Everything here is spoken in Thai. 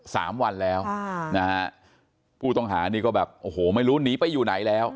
สามวันแล้วค่ะนะฮะผู้ต้องหานี่ก็แบบโอ้โหไม่รู้หนีไปอยู่ไหนแล้ว